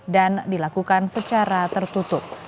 dan dilakukan secara tertutup